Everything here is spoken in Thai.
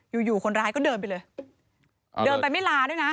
อยู่อยู่คนร้ายก็เดินไปเลยเดินไปไม่ลาด้วยนะ